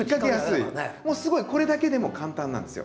もうすごいこれだけでも簡単なんですよ。